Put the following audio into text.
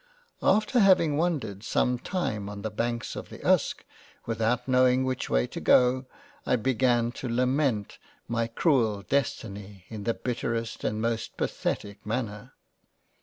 " After having wandered some time on the Banks of the Uske without knowing which way to go, I began to lament 10 3 LOVE AND FREINDSHIP £ my cruel Destiny in the bitterest and most pathetic Manner.